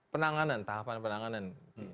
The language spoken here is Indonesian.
penanganan tahapan penanganan